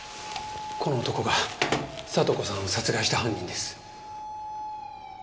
この男が聡子さんを殺害した犯人です。